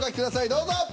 どうぞ。